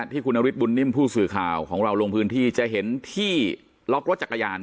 ที่คุณนฤทธบุญนิ่มผู้สื่อข่าวของเราลงพื้นที่จะเห็นที่ล็อกรถจักรยาน